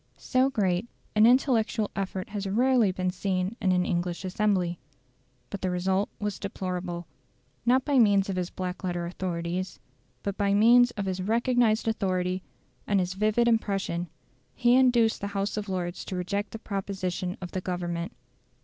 So great an intellectual effort has rarely been seen in an English assembly. But the result was deplorable. Not by means of his black letter authorities, but by means of his recognised authority and his vivid impression, he induced the House of Lords to reject the proposition of the Government.